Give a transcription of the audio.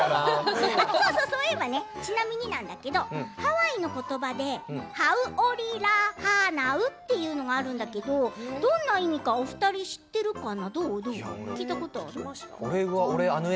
ちなみになんだけどハワイの言葉でハウオリ・ラー・ハーナウっていうのがあるんだけどどんな意味かお二人知ってるかな。